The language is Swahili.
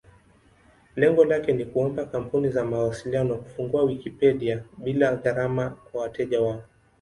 Lengo lake ni kuomba kampuni za mawasiliano kufungua Wikipedia bila gharama kwa wateja wao.